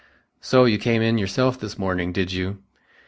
"So you came in yourself this morning, did you?